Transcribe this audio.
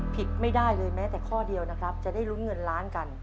ผิดไม่ได้เลยแม้แต่ข้อเดียวนะครับจะได้ลุ้นเงินล้านกัน